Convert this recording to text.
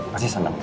pasti seneng dia